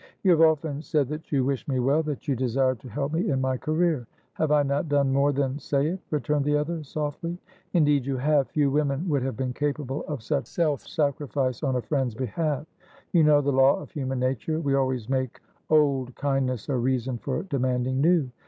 "You have often said that you wished me well, that you desired to help me in my career." "Have I not done more than say it?" returned the other, softly. "Indeed you have! Few women would have been capable of such self sacrifice on a friend's behalf. You know the law of human nature; we always make old kindness a reason for demanding new.